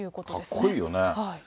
かっこいいよね。